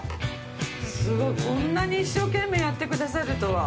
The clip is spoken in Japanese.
すごいこんなに一生懸命やってくださるとは。